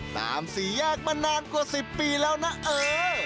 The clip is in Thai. สี่แยกมานานกว่า๑๐ปีแล้วนะเออ